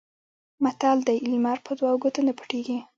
متل دی: لمر په دوو ګوتو نه پټېږي.